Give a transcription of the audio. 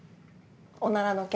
おならの件。